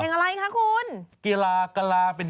เพลงอะไรคะคุณ